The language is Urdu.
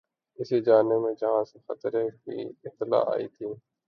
اسی جانب ہیں جہاں سے خطرے کی اطلاع آئی تھی